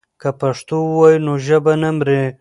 که پښتو ووایو نو ژبه نه مري.